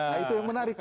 nah itu yang menarik